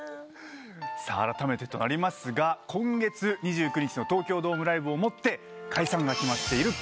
あらためてとなりますが今月２９日の東京ドームライブをもって解散が決まっているＢｉＳＨの皆さん。